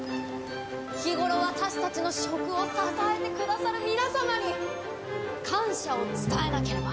日頃私たちの食を支えてくださる皆様に感謝を伝えなければ！